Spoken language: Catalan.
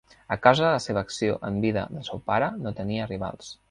A causa de la seva acció en vida del seu pare, no tenia rivals.